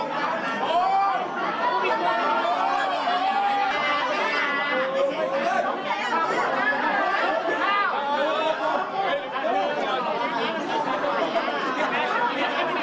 สวัสดีครับ